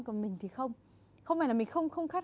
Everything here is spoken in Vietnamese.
còn mình thì không